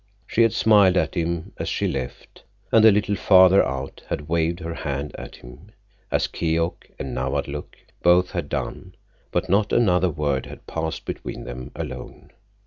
She had smiled at him as she left, and a little farther out had waved her hand at him, as Keok and Nawadlook both had done, but not another word had passed between them alone.